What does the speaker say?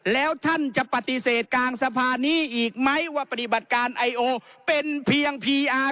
แล้วท่านจะปฏิเสธกลางสภานี้อีกไหมว่าปฏิบัติการไอโอเป็นเพียงพีอาร์